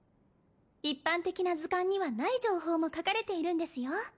一般的な図鑑にはない情報も書かれているんですよ